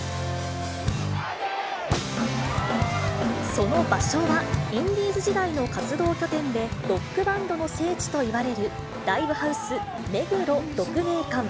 その場所は、インディーズ時代の活動拠点で、ロックバンドの聖地といわれるライブハウス、目黒鹿鳴館。